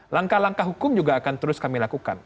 langkah langkah hukum juga akan terus kami lakukan